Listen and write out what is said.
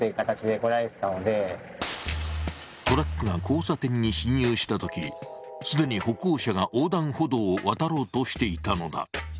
トラックが交差点に進入したとき既に歩行者が横断歩道を渡ろうとしていたのだ。